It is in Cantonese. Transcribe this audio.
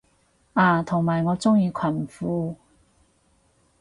啊同埋我鍾意裙褲